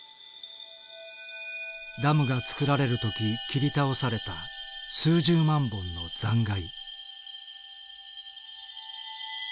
ダムが造られる時切り倒された数十万本の残骸。